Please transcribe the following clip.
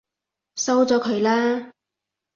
收咗佢啦！